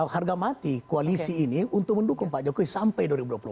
harga mati koalisi ini untuk mendukung pak jokowi sampai dua ribu dua puluh empat